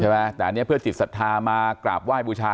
ใช่ไหมแต่อันเนี้ยเพื่อจิตศัษฐามากราบไหว้บุชา